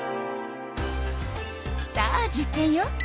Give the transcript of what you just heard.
さあ実験よ。